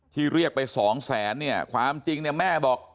เรียกไปสองแสนเนี่ยความจริงเนี่ยแม่บอก